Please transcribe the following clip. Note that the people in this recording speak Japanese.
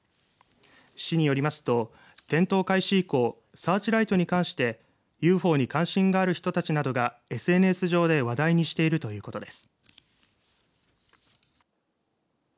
市によりますと点灯開始以降サーチライトに関してＵＦＯに関心がある人たちなどがＳＮＳ上で話題にしているということです。